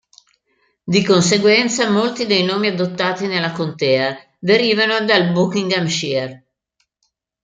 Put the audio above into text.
Di conseguenza molti dei nomi adottati nella contea derivano dal Buckinghamshire.